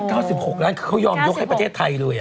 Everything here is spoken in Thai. ตั้ง๙๖ล้านเขายอมยกให้ประเทศไทยเลย